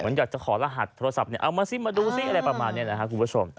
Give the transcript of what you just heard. อยากจะขอรหัสโทรศัพท์เอามาซิมาดูซิอะไรประมาณนี้นะครับคุณผู้ชม